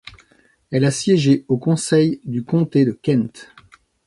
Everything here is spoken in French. Elle a siégé au conseil du comté de Kent.